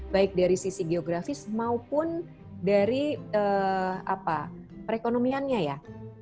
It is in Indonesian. baik dari sisi geografis maupun dari perekonomiannya ya